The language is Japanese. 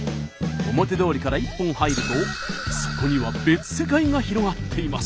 表通りから一本入るとそこには別世界が広がっています。